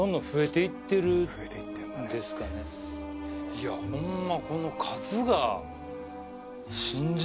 いやホンマ。